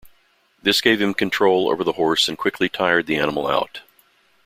This gave him control over the horse and quickly tired the animal out.